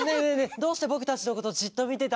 どうしてぼくたちのことじっとみてたの？